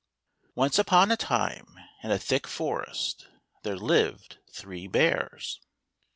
"E upon a time, in a thick forest, there lived three bears.